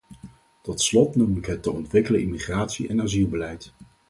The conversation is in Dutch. Tot slot noem ik het te ontwikkelen immigratie- en asielbeleid.